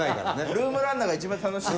ルームランナーが一番楽しい。